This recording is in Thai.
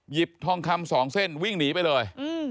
หยิบทองคำ๒เส้นวิ่งหนีไปเลย